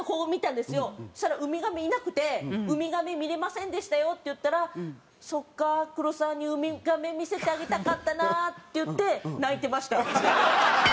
そしたらウミガメいなくて「ウミガメ見れませんでしたよ」って言ったら「そうか。黒沢にウミガメ見せてあげたかったな」って言って泣いてました。